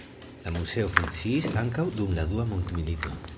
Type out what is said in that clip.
La muzeo funkciis ankaŭ dum la dua mondmilito.